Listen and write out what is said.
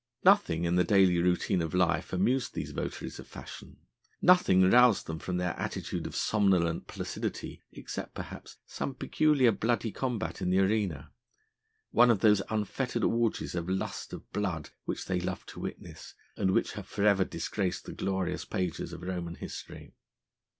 Nothing in the daily routine of life amused these votaries of fashion nothing roused them from their attitude of somnolent placidity, except perhaps some peculiarly bloody combat in the arena one of those unfettered orgies of lust of blood which they loved to witness and which have for ever disgraced the glorious pages of Roman history.